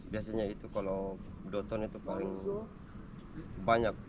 biasanya itu kalau dua ton itu paling banyak